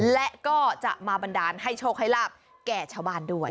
และก็จะมาบันดาลให้โชคให้ลาบแก่ชาวบ้านด้วย